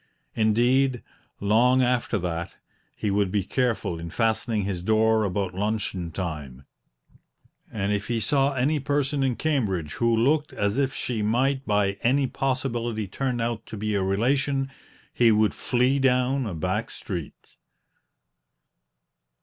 Indeed, long after that, he would be careful in fastening his door about luncheon time, and if he saw any person in Cambridge who looked as if she might by any possibility turn out to be a relation, he would flee down a back street.